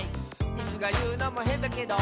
「イスがいうのもへんだけど」